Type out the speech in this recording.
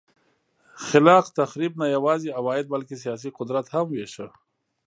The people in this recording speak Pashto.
خلاق تخریب نه یوازې عواید بلکه سیاسي قدرت هم وېشه.